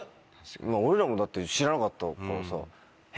俺らもだって知らなかったから「え！」